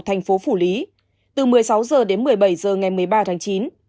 thành phố phủ lý từ một mươi sáu h đến một mươi bảy h ngày một mươi ba tháng chín